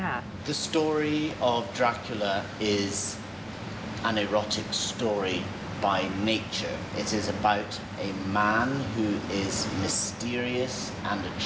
เขาคือถูกกับทิหรือสังเกตนั่นโดยเคยหาเป็นของสองหญิงผู้กลาง